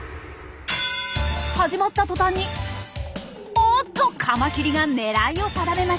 始まった途端におっとカマキリが狙いを定めました。